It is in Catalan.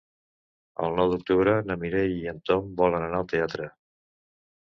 El nou d'octubre na Mireia i en Tom volen anar al teatre.